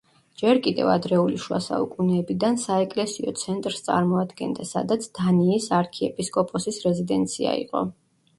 ჯერ კიდევ ადრეული შუა საუკუნეებიდან საეკლესიო ცენტრს წარმოადგენდა, სადაც დანიის არქიეპისკოპოსის რეზიდენცია იყო.